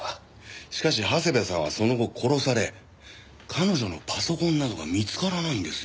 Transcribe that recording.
しかし長谷部さんはその後殺され彼女のパソコンなどが見つからないんですよ。